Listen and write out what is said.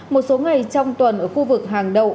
một số ngày trong tuần ở khu vực hàng đầu